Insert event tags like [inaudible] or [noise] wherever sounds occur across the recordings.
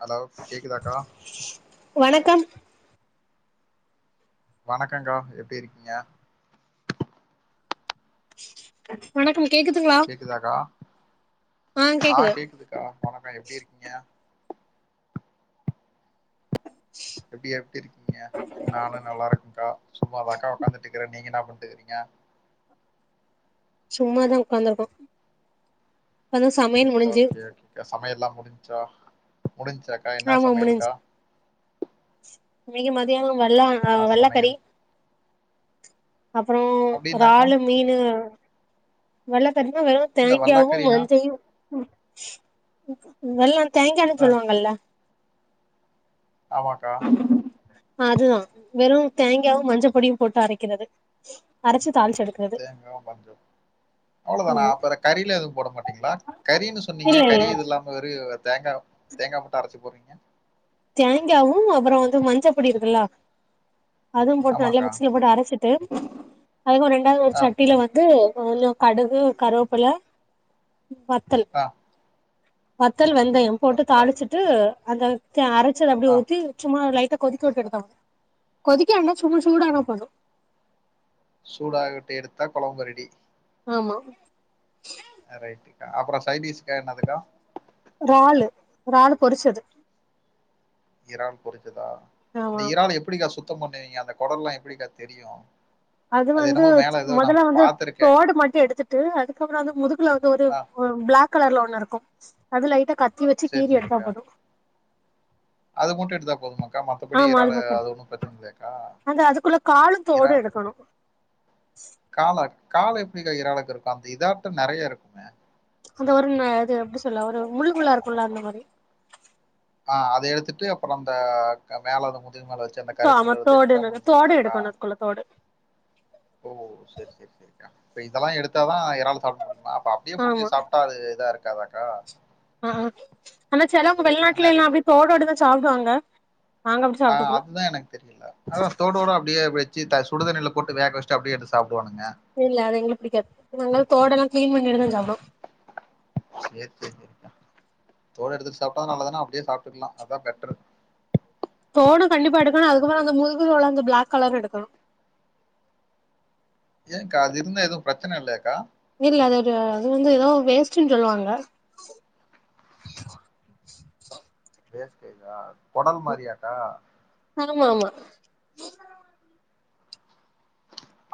Hello கேக்குதாக்கா வணக்கம் வணக்கங்க்கா எப்டி இருக்கீங்க வணக்கம் கேக்குதுங்களா கேக்குதாக்கா ஆ கேக்குதுக்கா வணக்கம் எப்டி இருக்கீங்க எப்டி எப்டி இருக்கீங்க நானு நல்லா இருக்கங்க்கா சும்மாதாக்க்கா உட்காந்துட்டு இருக்குற நீங்க என்ன பண்ணிட்டு இருக்கிறீங்க சும்மாதா உட்காந்துருக்கோ ஓகே ஓகேக்கா சமையல்லா முடிஞ் ச்சா முடிஞ்ச்சாக்கா என்னா சமையல்க்கா இன்னைக்கி மதியானம் வல்லோ ஆ என்ன வல்ல கறி சமையல் அப்பறோ அப்டின்னாக்கா இறாலு, மீனு வல்ல கறினா வெறு இல்ல தேங்காவு வல்லாக்கறினா மஞ்சயு ம், ம் வல்ல தேங்கானு ஆ சொல்லுவாங்கல்ல ஆமாக்கா அதுதா வெறு தேங்காவு மஞ்ச பொடியு போட்டு அரைக்கிறது அரச்சு தேங்கா, மஞ்ச அவ்ளோதானா ஆமா அப்பற கறிலா எதுவு போட மாட்டீங்களா கறின்னு இல்ல சொன்னீங்க இல்ல கறி இது இல்லாம வெறு தேங்கா தேங்கா மட்டு அரைச்சு போட்றீங்க தேங்காவு அப்புறோ வந்து மஞ்சப்பொடி இருக்குல்லா அதுவு போட்டு நல்லா ஆமாக்கா மிக்சில போட்டு அரச்சிட்டு அதுவு ரெண்டாவது ஒரு ஆ சட்டில வந்து கொஞ்சோ கடுகு கருவேப்புல வத்தல் ஆ வத் த்தல் வெந்தயொ போட்டு வத்தல் தாளிச்சுட்டு அதா தே அரச்சது அப்டியே ஆ ஊத்தி சும்மா லைட் டா கொதிக்க விட்டு எடுத்தோ கொதிக்க விட்னா சூ சூடானா போது சூடாக விட்டு எடுத்தா கொழம்பு ரெடி ஆமா ரைட்டுக்கா அப்பறோ சைடிஷ்கா என்னதுக்கா றாலு றாலு பொரிச்சது இறான் பொரி சதா ஆமா இந்த ஆமா இறான எப்டிக்கா சுத் த்தொ பண்ணுவீங்க அந்த கொடல்லா எப்டிக்கா தெரியு அது வந்து என்னமோ மேல ஏதோ நா மொதல்ல வந்து பாத்திருக்கே ஓடு மட்டு எடுத்துட்டு அதுக்கப்றோ வந்து முதுகுல வந்து ஒரு ஆ ப்ளாக் கலர்ல ஒண்ணு இருக்கு அது லைட்டா கத்தி வெச்சி கீறி அத மட்டு எடுத்தா போதுமா ஆமா அது மட்டு எட் அங்க அதுக்குள்ள காலு தோடு எடுக்கணு காலாக் கால எப்டிக்கா இறாலுக்கிருக்கு அந்த இதாட்டொ நெறைய இருக்குமே அந்த ஒரு ன அது எப்டி சொல்ல ஒரு முள்ளு முள்ளா இருக்குல்ல அந்த மாரி ஆ அத எடுத்துட்டு அப்பறோ அந்த க மேல அது மு துகு மேல வச்சி அந்த ஆமா கருப்கலர் வந்து தோடு எடுத்துட்டா தோடு முடிஞ்சுங்களாக்கா எடுக்கணு அதுக்குள்ள தோடு ஓ செரி செரி செரிக்கா இப்ப இதெல்லா எடுத்தாதா எ றால சாப்ட முடியுமா அப்ப அப்டியே புடிச்சி சாப்ட்டா அது இதா இருக் க்காதாக்கா ஆஹ் ஆன செலவு அ நெறை வெளிநாட்லேல்லா அப்டி தோலோடதா சாப்டுவாங்க நாங்க அப்டி ஆஹ் சாப்ட்டதுல்ல அதுதா எனக்கு தெரியில அத தோடோட அப்டியே அப்டி வச்சி த சுடு தண்ணில போட்டு வேக வச்ட்டு அப்டியே எடுத்து சாப் இல்ல அது எங்களுக் புடிக்காது நாங்க தோடெல்லா க்ளீன் பண்ணிட்டுதா சாப்டுவோ சேர் சேரி தோல் எடுத்து சாப்டா நல்லதுனா அப்டியே சாப்பிட்டுக்கலா அதா பெட்டரு ஃபோனு கண்டிப்பா எடுக்கணு அதுக்குப்புற அந்த முதுகு உள்ள அந்த பிளாக் கலர் எடுக்கனு ஏக்கா அது இருந்த எதுவும் பிரச்சனை இல்லையக்கா இல்ல அது அது வந்து ஏதோ வேஸ்ட்ன்னு சொல்லுவாங்க [inaudible] பேச கேதா கொடல் மாரியாக்கா ஆமா ஆமா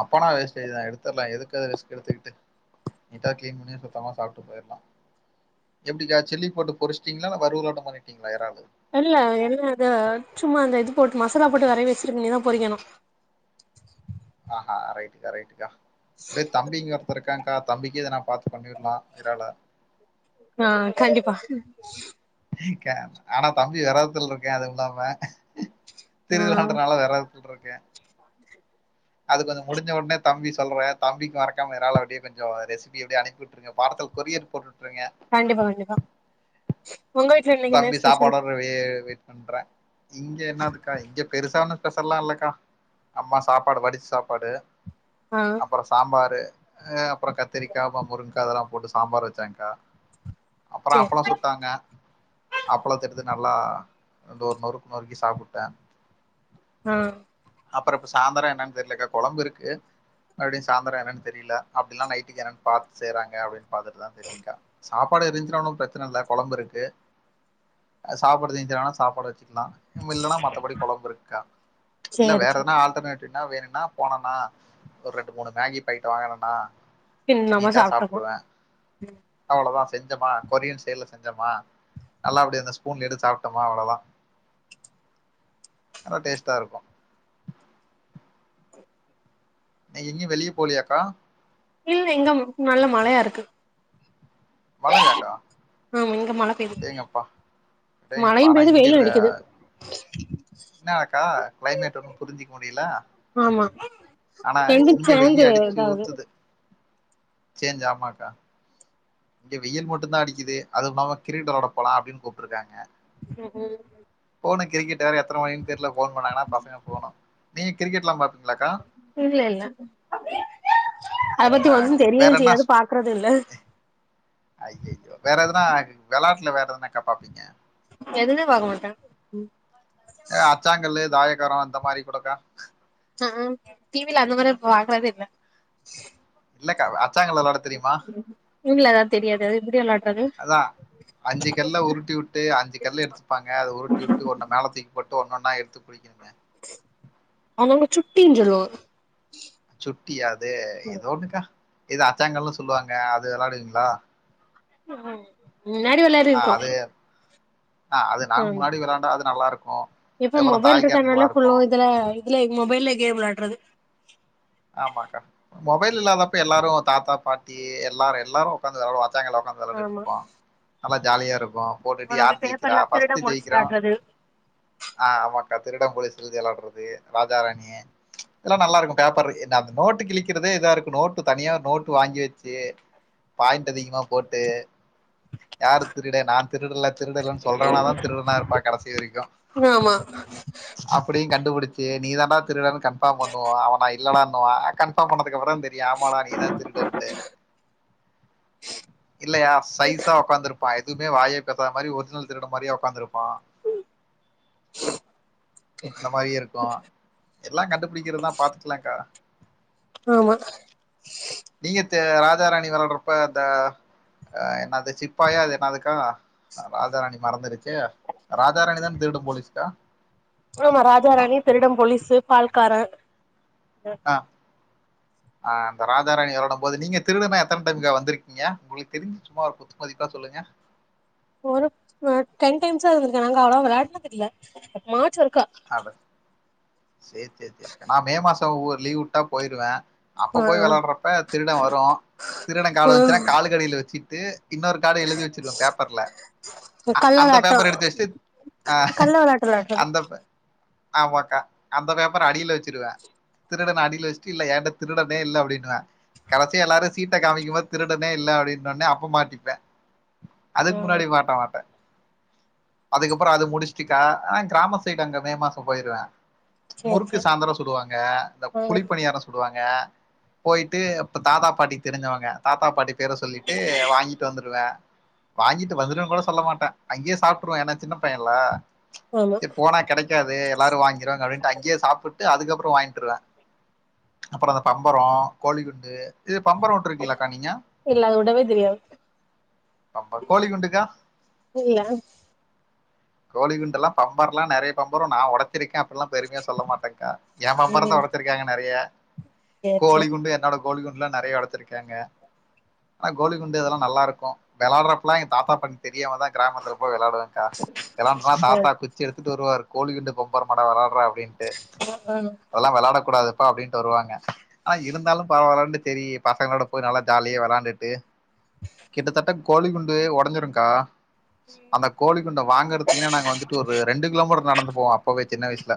அப்பனா வேஸ்ட்டேஜ் தா எடுத்தலா எதுக்கு ஏ ரிஸ்க் எடுத்துக்கிட்டு நீட்டா கிளின் பண்ணி சுத்தமா சாப்பிட்டு போயிடலா எப்டிாகா சில்லி போட்டு பொரிச்சிட்டீங்களா இல்ல வருவலட பண்ணிட்டீங்களா எராவ இல்ல என்ன அத சும்மா அந்த இது போட்டு மசாலா போட்டு வரைய வச்சிருக்க இனிமேதா பொரிக்கணு ஆஹா ரைட்டுக்கா ரைட்டுக்கா அப்டியே தம்பிங்க ஒருத்த இருக்கா அக்கா தம்பிக்க இத நா பாத்து பண்ணிடலா இறால ஆஹ் கண்டிப்பா லிக்கா ஆனா தம்பி விரதத்துல இருக்கே அதுவும் இல்லாம ஆ திருவிழான்றனால வேரத சொல்றக்கே அது கொஞ்சோ முடிஞ்ச உடனே தம்பி சொல்றன் தம்பிக்கு மறக்காம இறால அப்டியே கொஞ்சோ ரெசிபி எப்டியே அனுப்பிட்டுருங்க பாரசல் கொரியர் போட்டு விட்ருங்க கண்டிப்பா கண்டிப்பா உங்க வீட்ல இன்னைக்கு என்ன தம்பி ஸ்பெஷல் சாப்பாட்டோட வெ வெய்ட் பண்றே இங்க என்னதுக்கா இங்க பெருசான ஒண்ணு ஸ்பெஷலெல்லா இல்லக்கா அம்மா சாப்பாடு வடிச்சு சாப்பாடு ஆ அப்புற சாம்பாரு அஹ் அப்புற கத்திரிக்காய் முருங்காய் அதெல்லா போட்டு சாம்பார் வச்சாங்க்கா அப்புற சேரி அப்பல சுட்டாங்க அப்பளத்த எடுத்து நல்லா நொறு நொறுனு நொறுக்கி சாப்புட்ட ஆ அப்றோ இப்ப சாந்தர என்னன்னு தெரியலக்கா கொழம்பு இருக்கு மறுபடியு சாந்தர என்னன்னு தெரில அப்டில்லனா நைட்டுக்கு என்னன்னு பாத்து செய்றாங்க அப்டின்னு பாத்துட்டுதா தெரியுங்க்கா சாப்பாடு இருந்திச்சினா ஒன்னு பிரச்சன இல்ல கொழம்பு இருக்கு சாப்பாடு செஞ்சனா சாப்பாடு வச்சு இல்லைன்னா மத்தபடி குழம்பு இருக்கா இல்ல சேரி சேரி வேறதனா ஆல்டர்னேட் அப்டின்னா வேணுன்னா போனனா ஒரு ரெண்டு மூணு மேகி பாக்கெட்ட வாங்கனனா பின் நம்ம நீட்டா சாப்ட்டுப்போ சாப்டுவே அவ்வளதா செஞ்சமா கொரியன் ஸ்டெயில் செஞ்சமா நல்லா அப்டியே அந்த ஸ்பூன்ல எடுத்து சாப்ட்டமா அவ்வளதா நல்ல டேஸ்டா இருக்கு நீ எங்கயு வெளியே போலியாக்கா இல்ல இங்க நல்ல மழையா இருக்கு [unintelligible] மழை பெய்து டேங்கப்பா டேங்கப்பா மழையும் பெய்து வெயிலும் அடிக்குது என்ன அக்கா கிளைமேட் ஒண்ணு புரிஞ்சிக்க முடில ஆமா ஆனா ரெண்டு இங்க சேந்து வெய்ய அடிச்சு இதாவுது ஊத்துது சேஞ்ச ஆமாக்கா இங்க வெயில் மட்டுதான் அடிக்குது அது இல்லாம கிரிக்கெட் விளாடா போலன் அப்படின் கூப்ட்ருக்காங்க ம் போணு கிரிக்கெ்ட் வேற எத்தனை மணின்னு தெர்ல போன் பண்ணாங்கன்னா பசங்க போணு நீங்க கிரிக்கெட்லா பாப் இல்ல இல்ல அத பத்தி அஹ் ஒன்னு வேற தெரியவு என்ன செய்யாது பாக்குறது இல்ல ஐய்யய்யோ வேற எதுனா விளாட்டுல வேற என்னக்கா பாப்பீங்க எதுமே பாக்க மாட்ட ஏ் அச்சாங்கல்லு தாய [unintelligible] அந்த மாதிரி குடுக்கா ஆ டிவில அந்த மாரி பாக்கறதே இல்ல இல்லக்கா வேற ச்சாங்கல்லு வெளாட தெரியுமா இல்ல அதா தெரியாது அது எப்டி வெளாட்றது அதா அஞ்சி கல்ல உருட்டி வுட்டு அஞ்சி கல்ல எடுத்துப்பாங்க அத உருட்டி வுட்டு ஒன்ன மேல தூக்கி போட் டு ஒண்ணொன்னா எடுத்து புடிக்கனுங்க அவங்க சுட்டின் சொல்லுவாங்க சுட்டியா அது ஏதோ ஒண்ணுக்கா இது அச்சாங்கல்னு சொல்லுவாங்க அது வெளாடுவீங்களா ம் முன்னாடி வெளாடிருக்கோ ஆஹ் அதுங்க நாங் முன்னாடி விளாண்டா அது நல்லா இருக்கும் எப்ப மொபைல் இருக்கனால சொல்லும் இதுல அதுல மொபைல்ல கேம் விளையாடுறது ஆமாக்கா மொபைல் இல்லாதப்ப எல்லாரும் தாத்தா பாட்டி எல்லாரும் எல்லாரும் உட்காந்து விளாடுவாங்க உக்காந்து ஆமா விளயாண்ட்டுருப்போம் நல்லா ஜாலிய இரு வா போட்டுட்டு அப்றோ வந்து யார் ஜெயிக்கிறா பேப்பர்ல திருடம் பஸ்ட்டு போலீஸ் ஜெயிக்கிறோ வெளாட்றது ஆஹ் திருட போலிஸ் எழ்தி வெளாடுறது ராஜா ராணி இதெல்லா நல்லா இருக்கும் பேப்பர் என் அந்த நோட்டு கிழிக்கிறதே இதா இருக்கு நோட்டு தனியா நோட்டு வாங்கி வச்சு பாயிண்ட் அதிகமா போட்டு யாரு திருட நா திருடல திருடலன் சொல்றனா தான் திருடனா இருப்பா கடைசி வரைக்கு ஆமா அப்படியு கண்டுபுடுச் சேரி நீ தாண்டா திருடனு கன்பார்ம் பண்ணுவ அவனா யி இல்லடான்வா கன்ஃபார்ம் பண்ண அதுக்கப்றோ தெரியு ஆமாடா நீ தா திருடன்ட்டு இல்லயா சைஸா உக்காந்துருப் ப்ப எதுவுமே வாயே பேசாத மாதிரி ஒரிஜினல் திருட மாதிரியே உக்காந்துருப்பான் அந்த மாதிரியே இருக்கு எல்லா கண்டுபிடிக்கிறது தா பாத்துக்கலாக்கா ஆமா நீங்க தே ராஜ ராணி விளாடுறப்ப அந்த ஆ என்னது சிப்பாயா அது என்னாதுக்கா ஆ ராஜா ராணி மறந்துருச் செயா ராஜாராணி தான திருடன் போலீஸ்க்கா பால்கார ஆ ஆ அந்த ராஜாராணி வெளாடும் போது நீங்க திருடனா எத்தன டைம்க்கா வந்திருக்கீங்க உங்களுக்கு தெரி்ஞ்சி சும்மா ஒரு குத்துமதிப்பா சொல்லுங்க ஒரு நா டென் டைம்ஸ்ஸா இருந்துருக்கே நாங்க அவ்வளவா வெளையாண்டுனது இல்ல எப்பமாச் ஒருக் ஆட சேர் சேர் செரிக்கா நா மே மாச ஒவ்வொரு லீ்வுட்டா போய்ருவே அப்ப ஆ போய் வெளையாட்றப்ப திருட வரு திருட ஆ கார்டு வந்துச்சுன்னா காலுக்கடியில வச்சிட்டு இன்னொரு காடு எழுதி வச்சிருவே பேப்பர்ல ஆ கள்ள அந்த வெளாட்டோ பேப்பர் எடுத்து வச்சிட்டு ஆ கள்ள வெளாட்டு வெளாட்றது அந்த பே ஆமாக்கா அந்த பேப்பர அடியில வச்சிருவே திருடன அடியில வச்சுட்டு இல்ல ஏன்ட்ட திருடனே இல்ல அப்டின்னுவே கடைசியா எல்லாரு சீட்ட காமிக்கும்போது திருடனே இல்ல அப்டின்னொன்னே அப்ப மாட்டிப்பேன் அதுக்கு ஆ முன்னாடி மாட்ட மாட்டே அதுக்கப்பற அது முடிச்சுட்டுக்கா ஆ கிராம சைடு அங்க மே மாச போய்ருவே சேரி முறுக்கு சேரி சாயந்தர சுடுவாங்க இந்த ஆ குழிப்பணியார சுடுவாங்க போயிட்டு அப்ப தாத்தா பாட்டி தெரிஞ்சவங்க தாத்தா பாட்டி பேர சொல்லிட்டு வாங்கிட்டு வந்துருவே வாங்கிட்டு வந்துட்டேன்னு கூட சொல்ல மாட்டே அங்கயே சாப்ட்ருவேன் ஏன்னா சின்ன பையன்ல ஆமா போனா கெடைக்கு க்காது எல்லாரு வாங்கிருவாங்க அப்டின்ட்டு அங்கே சாப்புட்டு அதுக்கப்பறோ வாங்கிட்டுருவேன் அப்பற இந்த பம்பரம் கோலிகுண்டு இது பம்பரம் உட்டு இருக்கீங்களாக்கா நீங்க இல்ல அது விடவே தெரியாது அப்ப கோலி குண்டுக்கா இது எனக் கோலி குண்டெல்லா பம்பார்லாம் நெறைய பம்பர நா ஒடச்சு இருக்கே அப்படியெல்லா பெருமையா சொல்ல மாட்டேக்கா ஏ பம்பரம் தா ம் ஒடைச்சிருக்காங்க நெறையா சேரி சேரி கோலிகுண்டு என்னோட கோலி குண்டெலாம் நெறையா ஒடச்சிருக்கேங்க ஆ கோலி குண்டு இதெல்லா நல்லாருக்கு விளாட்றப்பெல்லா எங்க தாத்தா பாட்க்கு தெரியாம தா கிராமத்தில போய் விளையாடுவே க்கா விளாண்டு தா ஆ தாத்தா குச்சி எடுத்துட்டு வருவாரு கோலி குண்டு பம்பரமெல்லா விளாடு [unintelligible] அப்டின்ட்டு ஆ ஆமா அதெல்லா விளாட கூடாதுப்பா அப்டின்ட்டு வருவாங்க ஆ இருந்தாலு பரவலன்ட்டு செரி பசங்களோட போய் நல்லா ஜாலியா விளாண்டுட்டு கிட்டதட்ட கோழி குண்டு உடஞ்சிருங்க்கா அந்த கோழி குண்ட வாங்குறதுக்குன்னே நாங்க வந்துட்டு ஒரு ரெண்டு கிலோமீட்டர் நடந்து போவோ அப்பவே சின்ன வயசுல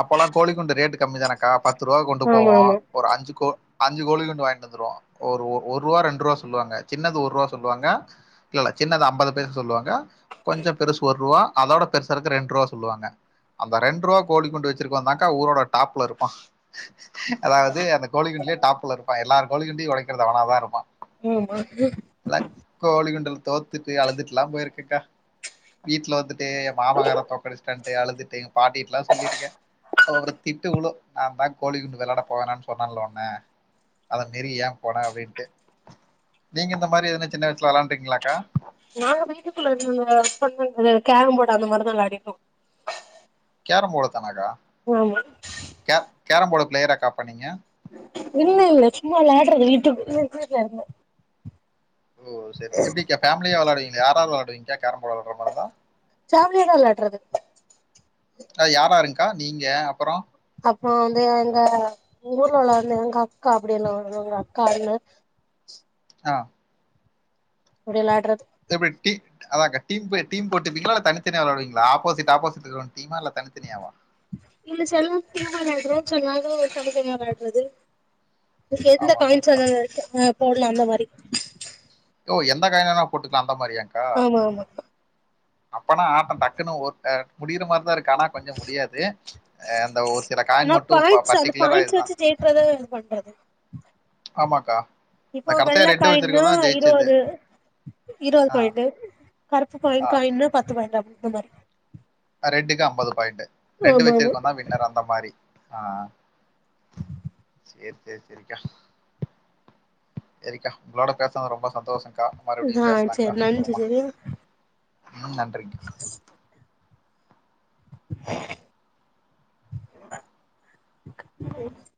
அப்பல்லா கோழிக்குண்டு ரேட கம்மி தானக்கா பத்து ரூபா கொண்டு போவோ ஆமா ஒரு அஞ்சு கோ அஞ்சு கோழி குண்டு வாங்கிட்டு வந்துருவோ ஒ ஒ ஒரு ரூவா ரெண்டு ரூவா சொல்லுவாங்க சின்னது ஒரு ரூவா சொல்லுவாங்க இல்லல்ல சின்னது ஐம்பது பைசா சொல்லுவாங்க கொஞ்சோ பெருசு ஒர் ரூவா அதோட பெருசாருக்கு ரெண்டு ரூவா சொல்லுவாங்க அந்த ரெண்டு ரூவா கோழி குண்டு வெச்சிருக்கவந்தாங்க்கா ஊரோட டாப்ல இருப்பான் அதாவது அந்த கோழிகுண்டுலேயே டாப்ல இருப்பான் எல்லார் கோழிக்குண்டியு உடைக்கிறது அவனாதா இருப்பான் ஆமா எல்லா கோழி குண்டுல தோத்துட்டு அழுதுட்டுல்லா போயிருக்க க்கா வீட்ல வந்து ட்டு மாமங்கார தோக்கடிச்சிட்டான்ட்டு அழுதுட்டு பாட்டிட்டுலா சொல்லிருக்கேன் ஒரு திட்டு விழு நான் தான் கோழி குண்டு விளாட போவேனான்னு சொன்னன்ல உன்ன அத மீறி ஏன் போன அப்டின்ட்டு நீங்க இந்த மாரி எதுனாச்சு சின்ன வயசுல விளையாண்டுருக்கீங்களாக்கா நாங்க வீட்டுக்குள்ள இரு [unintelligible] சொன்ன கேரம் போடு அந்த மாரிதா விளையாடிருக்கோ கேரம் போடு தானாக்கா கே கேரம் போடு பிளேயராக்கா அப்ப நீங்க இல்ல இல்ல சும்மா விளையடுறது வீட்டுக்குள்ள வீட்லருந்து ஓ சேரி எப்படிக்கா ஃபமிலியா விளையாடுவீங் யாரோளோடிங்க்கா கேரம் போர்டு விளையாடுற மாரிதா ஃபேமிலியாதா வெளாட்றது யார் யாராருங்க்கா க்கா நீங்க அப்புறோ அப்புறம் வந்து அந்த உங்க ஊர்ல உள்ளந்து வந்து எங்க அக்கா அப்படின்னுவாங்க உங்க அக்கானூ ஆஹ் முடியல ஆடற எப்படி டீ அதான்கா டீம் டீம் போட்டுப்பீங்களா இல்ல தனித்தனியா விளாடுவீங்ளா ஆப்போசிட் ஆப்போசிட் டீமா? இல்ல தனித்தனியாவா? இல் செலவு [unintelligible] [unintelligible] தனி தனியா கலட்றது நீ எந்த காய்ன் ஆமாமாக்கா. சொல்ல இருக்க போடலாமா வரி ஓ எந்த காயன்வேனா போட்டுக்கலா அந்த மாரியாக்கா ஆமா ஆமா அப்பனா ஆட்டொ டக்குன்னு ஒ முடியற மாரிதா இருக்கு கானா கொஞ்சோ முடியாது ப்ச் அந்த ஒரு சில காயின் ஆனா மட்டும் பாயிண்ட்ஸ் அந்த பர்டிகுலரா பாயிண்ட்ஸ் இதுதா வச்சு ஜெயிக்கிறத இது பண்றது ஆமாக்கா இந்த இப்போ கடைசியா வெள்ள ரெட்டு காயின்னா வச்சிருக்கவன்தா ஜெயிச்சது இருவது இருவது ஆஹ் பாயிண்டு கருப்பு காய் காயின்னா பத்து பாயிண்ட் அந்த மாரி ரெட்டுக்கு அம்பது பாயிண்ட் ரெண்டு ஆமா ஆமா வெச்சிருந்தம்னா வின்னர் அந்த மாரி ஆஹ் சேரி சேரி சேரிக்கா சேரிக்கா உங்களோட பேசுனதுல ரொம்ப சந்தோஷோ ஆ சரி நன்றி சரியா ம் நன்றிங்க [inaudible]